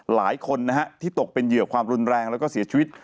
หลายคนนะฮะที่ตกเป็นเหยื่อความรุนแรงแล้วก็เสียชีวิต